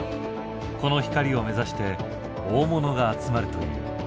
この光を目指して大物が集まるという。